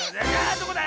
あどこだ